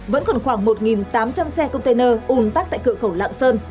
vẫn còn khoảng một tám trăm linh xe container